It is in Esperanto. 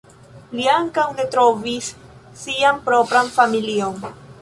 Li ankaŭ ne trovis sian propran familion.